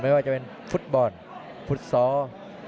ไม่ว่าจะเป็นฟุตบอลฟุตซอล